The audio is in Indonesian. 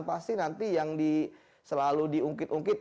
pasti nanti yang selalu diungkit ungkit